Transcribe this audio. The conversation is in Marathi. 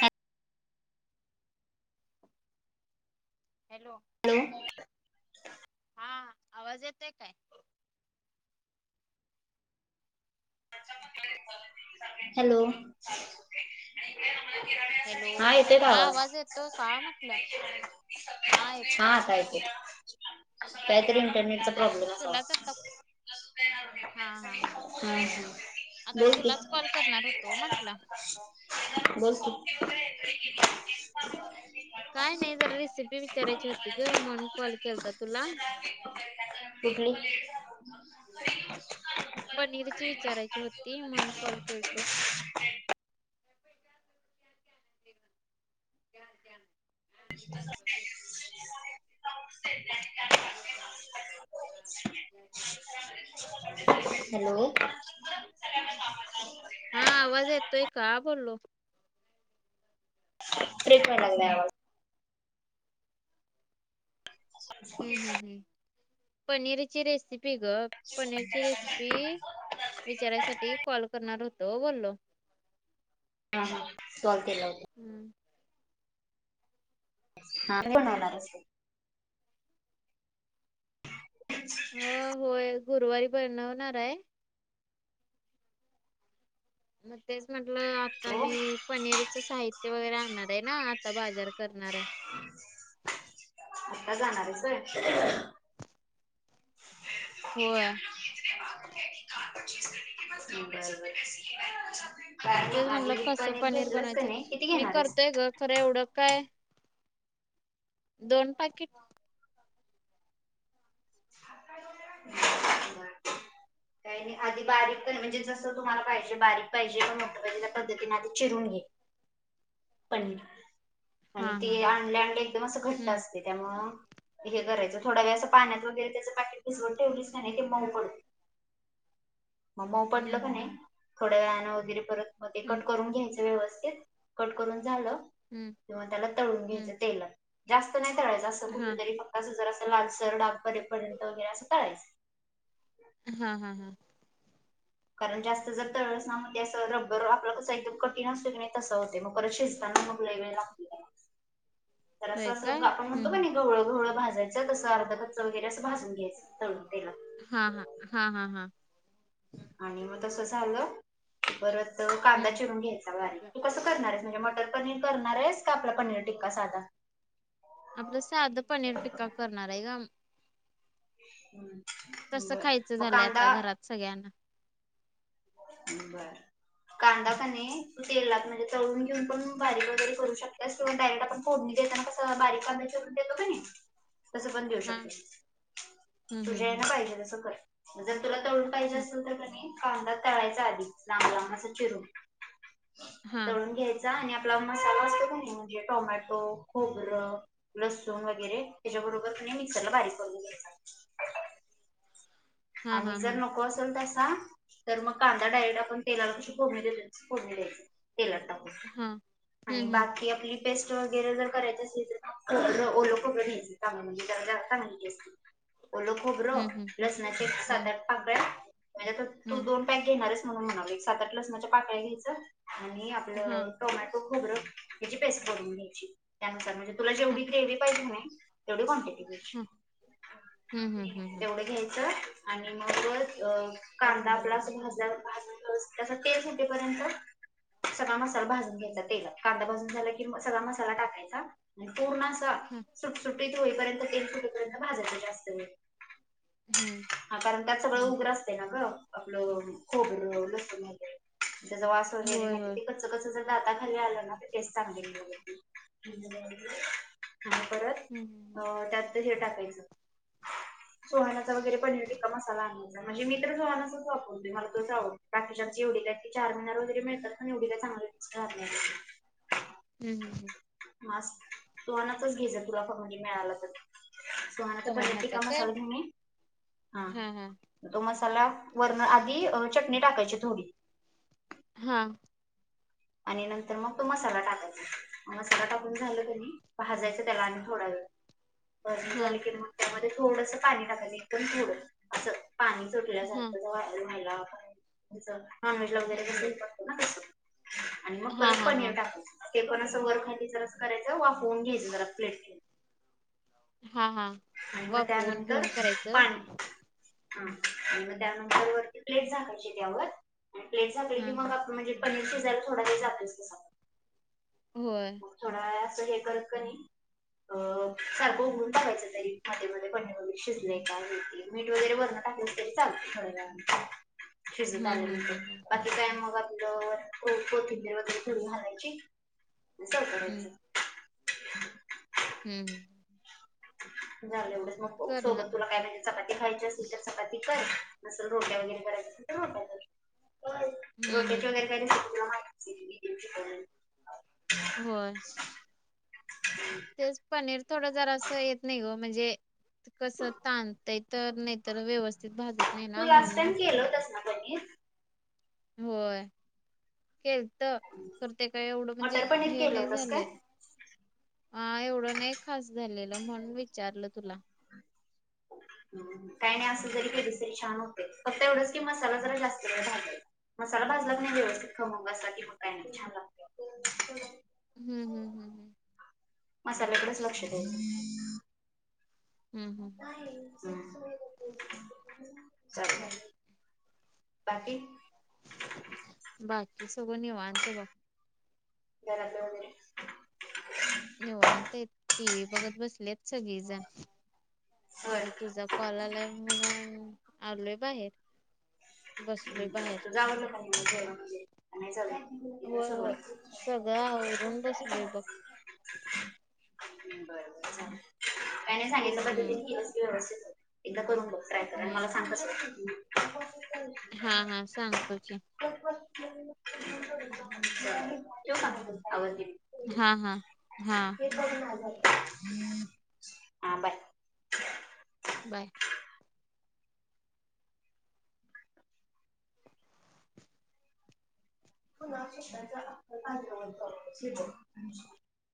हॅ हॅलो हॅलो, हा आवाज येतोय काय? हॅलो, हॅलो, हा आवाज येतोय का म्हटलं हा येतोय बघ, कायतरी, इंटरनेटचा हम्म प्रॉब्लेम असावा. तुलाच आता हा हा हा होय आता बोल की. तुलाच कॉल करणार होतो म्हटलं, [unintelligible] [inaudible] काय नाही जरा रेसिपी विचारायची होती ग म्हणून कॉल केलता तुला? कुठली? पनीरची विचारायची होती म्हणून कॉल केल तो त्या त्या [unintelligible] हॅलो, हा आवाज येतोय का बोललो. ब्रेक वाहलाय आवाज. हम्म हम् हम् पनीरची रेसिपी वेगळ पनीरची रेसिपी विचारायसाठी कॉल करणार हो तो बोललो हा हा सॉल्व केलं होत हम्म हा [unintelligible] हम्म बनवणार आस अ [inaudible] होय गुरुवारी बणवणाराय मग तेच म्हटलं आता मी पनीरच साहित्य वगैरे आणणार आहे ना आता बाजार करणाराय का जाणार आहेस होय होय. बर बर. काय नाही तेच म्हणलं आधी कस कणिक पनीर घेतलंस का बनायचं नाही किती मी घेणार आहेस करतोय ग खरं एवढं काय, दोन पाकीेट हम् काही नाही आधी बारीक म्हणजे जसं तुम्हाला पाहिजे. बारीक पाहिजे मोठ पाहिजे त्या पद्धतीने ते चिरून घे पनीर. आणि हा हा ते हा. आणले आणले एकदम असं घट्ट हम्म असते त्यामुळ हे करायचं थोडा वेळ असं पाण्यात वगैरे त्याचं पाकीट भिजवत ठेवलीस की नाही नाही की ते मऊ पडत. मग मग हम्म पडलं का नाही हम्म थोड्या वेळानं वगैर परत मग कट हम्म करून घ्यायचं व्यवस्थ स्थित कट करून झाल. हम्म त्याला तळून हम्म घ्यायच तेलात जास्त नाही. तळायच असं हा कुठेतरी फक्त अस जरास असं लालसर डाग पडे पर्यंत वगैरे असं तळायचं. हा हा हा कारण जास्त जर तळसणा म्ह ते असं रब्बर आपलं कस एकदम कठीण असतय कणी तसं होते मग परत शिजताना [unintelligible] जरास होय अस काय आपण हम्म म्हणतो हम्म कणी गवळ गवळ भाजाय कस अर्ध कच्च वगैरे असं भाजून घ्यायचं तळून तेला हा हा हा हा हा आणि मग तसं झालं परत कांदा हम्म चिरून घ्यायचा बारीक तू कसं करणार आहेस म्हणजे मटर पनीर करणारायस का आपला पनीर टिक्का साधा आपलं साधं पनीर टिक्का करणार हाय ग हम् ब तसं बर खायचं म झालंय कांदा आता घरात सगळ्यांना ह बर कांदा कने तेला म्हणजे तळून घेऊन पण बारीक वगैरे करू शकतास किंवा डायरेक्ट आपण फोडणी [unintelligible] कसं बारीक कांदा चिरून देतो का नाही तसं पण देऊ हा शकते हम्म तुझ्या आहे हम्म ना पाहिजे तसं कर म्हणज तुला तळून पाहिजे हम्म असेल तर कणी कांदा तळायचा आधी लांब लांब असं चिरून हा तळून घ्यायचा आणि [unintelligible] मसाला असतो कणी म्हणजे टोमॅटो खोबरं लसूण वगैरे त्याच्याबरोबर मिक्सर ला बारीक करून घ्यायच [inaudible] हा आणि हा हा जर हा नको असेल तर तर मग कांदा डायरेक्ट आपण तेलाला कशी फोडणी द्यायची तस फोडणी द्यायच तेला टाकून हा हम्म आणि हम्म बाकी आपली पेस्ट वगैरे जर करायच असेल तर खोबर ओल खोबर घ्यायच चांगलं म्हणजे [unintelligible] असतील ओल खोबर हम्म हम्म लसनाचे एक हम्म सात आठ पाकळ्या म्हणजे आता तू हम्म. दोन पॅक घेणार हायस म्हणून म्हणाल एक सात आठ लसणाच्या पाकळ्या घ्यायचं आणि आपलं हां. टोमॅटो खोबरं हेची पेस्ट करवून घ्यायची त्यानुसार म्हणजे तुला हां. जेवढी ग्रेव्ही पाहिजे नाही तेवढी क्वांटिटी हां. हम्म पाहिजे हम्म हम्म हम्म. तेवढ घ्यायचे [inaudible] आणि मग च अ कांदा आपला अस भाजल्यावर भाजुन व्यवस्थित अस तेल सुटेपर्यंत सगळा मसाला भाजून घ्यायचा तेलात कांदा भाजून झाला कि सगळा मसाला टाकायचा आणि पूर्ण अस हां. सुट सुटीत होईपर्यंत तेल सुटेपर्यंत भाजयच जास्त वेळ हम्म हा कारण त्यात सगळं उग्रं असते ना ग आपलं खोबरं लसण वगे त्याचा वास होय वगैरे होय. ते क क आता खली आलं ना तर तेच चांगले. हम्म हम्म परत त्यात हे टाकायचं सो पनीर टिक्का मसाला आणा म्हणज मी तर् वारून मला तव गे मिळतात पण एवढी काही चांगली नसतात. हम्म हम् हम्. मास्क तुम्हानातच घ्याय तुराफ म्हणजे मिळाला तर तुम्हाला तर पनीर सुहानाचा टिक्का काय? मसाला घेऊन ये हा हां हां. तो मसाला वरण आधी चटणी टाकायची थोडी हा आणि नंतर मग तो मसाला टाकायचा मसाला टाकून झालं कणी भाजायच त्याला आणि थोडा वेळ [inaudible] [unintelligible] झालं हां. की मग त्यामध्ये थोडस पाणी टाकायचं एकदम थोडं असं पाणी हां. सुटल्यासारखं [unintelligible] नॉनव्हेज ला वगैरे कसे तस आणि मग हां परत हां पनीर हां. टाकायचं ते पण असं वर खाली जरा करायचं वाफवून घ्यायचं जरा प्लेट ठेवून हां हां. आणि मग वाफवून त्यानंतर घेऊन करायचं. पाणी हा आणि म त्यानंतर वरती प्लेट झाकायची त्यावर, आणि प्लेट झाकली की हां. मग आपण म्हणजे. पनीर शिजय थोडा जातेस तस आपण हो. हें करत करत सारखं उघडून बगयच तरी आधी मध्ये शिजले का हो मीठ वगैरे भरणं टाकलं तरी चालते थोड शिजत हम्म हम्म हम्म आल्यानंतर ते काय मग वगैर थडी घालायची अस हम्म. करायच. [unintelligible] हम्म. झालं एवढंच मग करणार. सोबत तुला काय माहिजे. चपाती खायची असतील तर चपाती कर नसल रोट्या वगैरे कराय असेल तर रोट्या कर. हम्म रोटेचा हम्म. वगैर काय माहीत. हो. [unintelligible] तेच पनीर थोडं जारस असं येत नाही ओ म्हणजे कसं तणतय तर नाही तर व्यवस्थित भाजत नाही तू ना लास्ट म्हणून टाइम म्हटलं. केलं होतंस ना पनीर? होय. केल तर करते का एवढं म्हणजे मटर पनीर हे केलं नाही होतंस झालेल. काय? हा एवढं नाही खास झालेलं म्हणून विचारलं तुला [unintelligible] काही नाही असं जरी केली तरी छान होते फक्त एवढच की मसाला जरा जास्त वेळ भागेल. मसाला भाजला क नाही व्यवस्थित खमग असा कि मग असा काही नाही छान लागत. हम्म हम्म हम्म हम्म. मसाल्याकडेच लक्ष द हम्म हम्म नाही. बाकी बाकी सगळं निवात बा रत निवांत आहैत टी व्ही बघत बसलेत सगळीजण होय आणि तुझा कॉललाय म्हणून आलोय बाहेर. बसलोय बाहेर तू जाऊणज नाही चाल. होय होय सुरुवात सगळं आवरून बसलोय बघ सांगितल्या हम्म पद्धतीने ह अस व्यवस्थित एकदा करून बघ. ट्राय कर मला हम्म सांगत. हा हा सांगतो की ो काम आवरते मी हा हा हा हे पघ मजर [unintelligible] ह बाय बाय पुन्हा श आ्र [unintelligible]